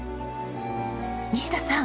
西田さん。